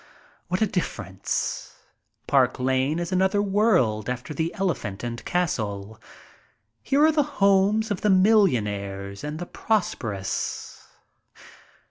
What a difference! Park Lane is another world after the Elephant and Castle. Here are the homes of the million aires and the prosperous.